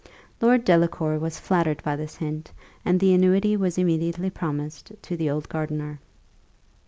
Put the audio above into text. Lord Delacour was flattered by this hint, and the annuity was immediately promised to the old gardener.